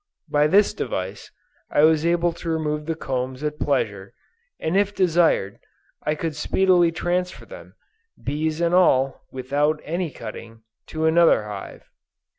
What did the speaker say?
By this device, I was able to remove the combs at pleasure, and if desired, I could speedily transfer them, bees and all, without any cutting, to another hive.